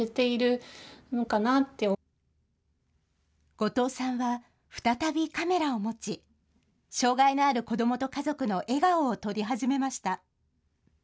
後藤さんは再びカメラを持ち、障害のある子どもと家族の笑顔を撮り始めました。